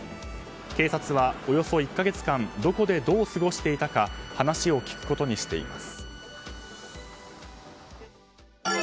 警察はおよそ１か月間どこでどう過ごしていたか話を聞くことにしています。